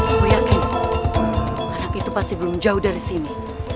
aku yakin anak itu pasti belum jauh dari sini